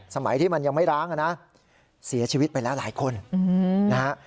สมัยที่มันยังไม่ร้างอ่ะนะเสียชีวิตไปแล้วหลายคนนะฮะ